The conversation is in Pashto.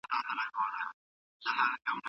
انارګل په خپل غږ کې د یو پیاوړي شپون غرور درلود.